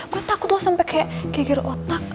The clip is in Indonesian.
gue takut lo sampe kayak kegir otak